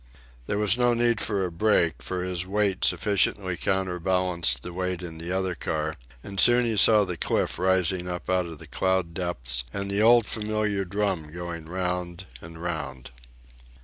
There was no need for a brake, for his weight sufficiently counterbalanced the weight in the other car; and soon he saw the cliff rising out of the cloud depths and the old familiar drum going round and round.